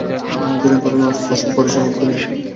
দুনিয়ার পরিসমাপ্তি নিয়ে!